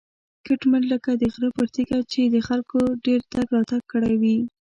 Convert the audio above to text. کټ مټ لکه د غره پر تیږه چې خلکو ډېر تګ راتګ کړی وي.